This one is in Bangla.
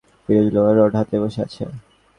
ফিরোজ লোহার রড হাতে বসে আছে।